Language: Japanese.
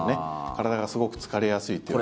体がすごく疲れやすいっていう。